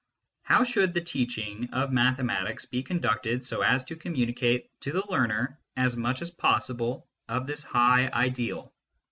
How should the teaching of mathematics be conducted so as to communicate to the learner as much as possible of this high ideal